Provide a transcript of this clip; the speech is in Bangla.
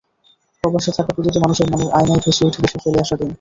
প্রবাসে থাকা প্রতিটি মানুষের মনের আয়নায় ভেসে ওঠে দেশের ফেলা আসা দিন।